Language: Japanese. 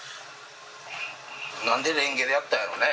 なんでレンゲでやったんやろうね。